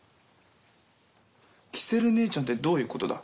キセルねえちゃんってどういうことだ？